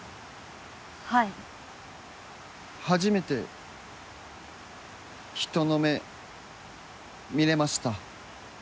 はい初めて人の目見れました